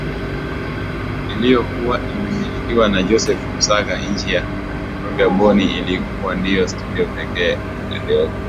iliyokuwa ikimilikiwa na Joseph Kusaga chini ya prodyuza Bonnie ilikuwa ndiyo studio pekee iliyokuwa